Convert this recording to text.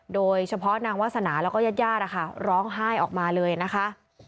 โดยเฉพาะนางวาสนาแล้วก็ญาติญาตินะคะร้องไห้ออกมาเลยนะคะ